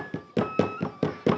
mereka yang ke seemedernya